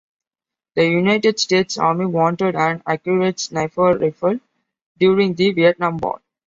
The United States Army wanted an accurate sniper rifle during the Vietnam War.